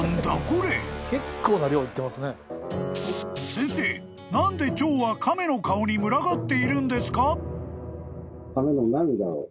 ［先生何でチョウは亀の顔に群がっているんですか？］